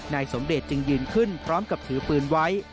นายสมเดชจึงยืนขึ้นพร้อมกับถือปืนไว้